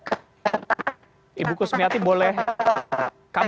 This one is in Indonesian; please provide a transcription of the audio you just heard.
itu tidak sama sekali benar pak